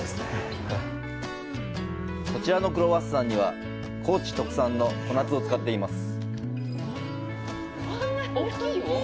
こちらのクロワッサンには、高知特産の小夏を使っています。